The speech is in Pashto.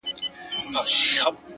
فکرونه د برخلیک تخمونه دي؛